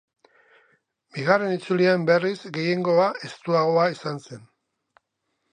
Bigarren itzulian berriz gehiengoa estuagoa izan zen.